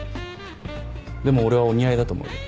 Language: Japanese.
でも俺はお似合いだと思うよ。